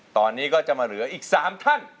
ตอนนี้ก็จะมาเหลืออีก๓ท่าน